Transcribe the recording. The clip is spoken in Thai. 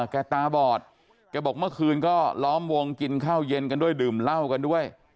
ตาบอดแกบอกเมื่อคืนก็ล้อมวงกินข้าวเย็นกันด้วยดื่มเหล้ากันด้วย